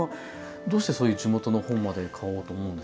どうしてそういう地元の本まで買おうと思うんですか？